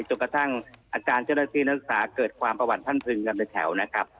จนกระทั่งอาจารย์เจ้าหน้าที่นักศึกษาเกิดความประวัติท่านพึงกันเป็นแถวนะครับ